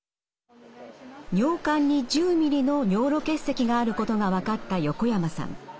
尿管に１０ｍｍの尿路結石があることが分かった横山さん。